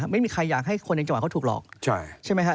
ไม่มีใครอยากให้คนในจังหวัดเขาถูกหลอกใช่ไหมฮะ